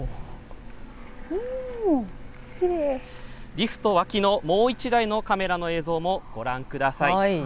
リフト脇のもう１台のカメラの映像もご覧ください。